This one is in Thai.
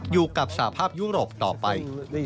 อยู่กับสภาพยุโรปต่อไป